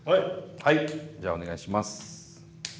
はいじゃあお願いします。